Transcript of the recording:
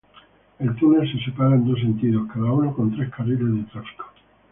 El túnel se separa en dos sentido, cada uno con tres carriles de tráfico.